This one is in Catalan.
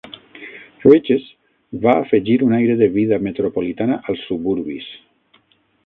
Rich's va afegir un aire de vida metropolitana als suburbis.